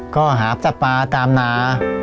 ก็หาจับปลาตามน้า